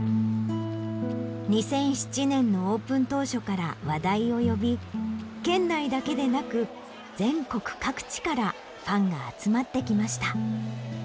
２００７年のオープン当初から話題を呼び県内だけでなく全国各地からファンが集まってきました。